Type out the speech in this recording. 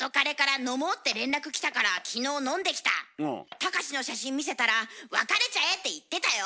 隆史の写真見せたら「別れちゃえ」って言ってたよ。